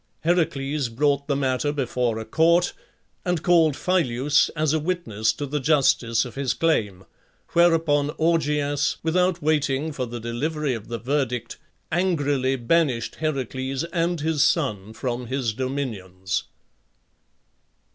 Heracles brought the matter before a court, and called Phyleus as a witness to the justice of his claim, whereupon Augeas, without waiting for the delivery of the verdict, angrily banished Heracles and his son from his dominions.